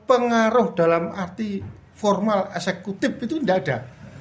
pengaruh dalam arti formal eksekutif itu tidak ada